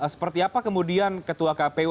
seperti apa kemudian ketua kpu